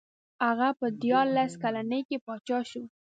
هغه په دیارلس کلنۍ کې پاچا شو.